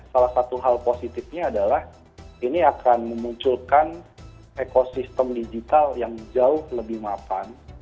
salah satu hal positifnya adalah ini akan memunculkan ekosistem digital yang jauh lebih mapan